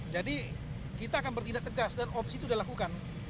jadi kita akan bertindak tegas dan opsi itu sudah dilakukan